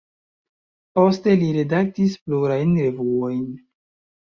Poste li redaktis plurajn revuojn.